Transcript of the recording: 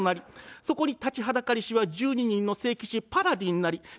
そこに立ちはだかりしは１２人の聖騎士パラディンなり。